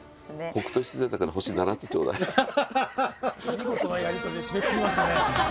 見事なやりとりで締めくくりましたね。